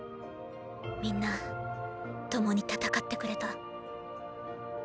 みんな共に戦ってくれた。